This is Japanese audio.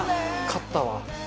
勝ったわ。